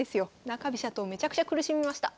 中飛車党めちゃくちゃ苦しみました。